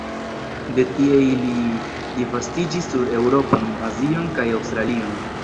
De tie ili disvastiĝis sur Eŭropon, Azion kaj Aŭstralion.